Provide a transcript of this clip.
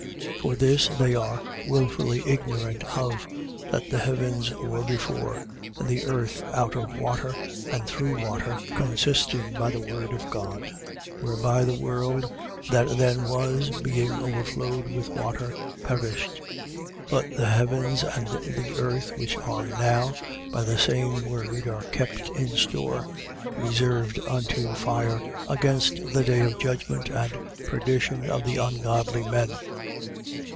3:5. For this they are wilfully ignorant of: That the heavens were before, and the earth out of water and through water, consisting by the word of God: 3:6. Whereby the world that then was, being overflowed with water, perished. 3:7. But the heavens and the earth which are now, by the same word are kept in store, reserved unto fire against the day of judgment and perdition of the ungodly men.